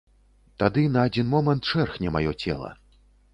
Тады на адзін момант шэрхне маё цела.